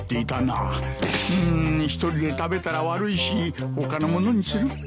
うん１人で食べたら悪いし他のものにするか。